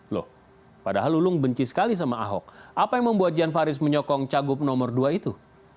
loh padahal lulung benci sekali sama ahok apa yang membuat jan faris menyokong cagup nomor dua itu